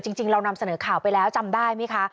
จริงเรานำเสนอข่าวไปแล้วจำได้ไหมคะ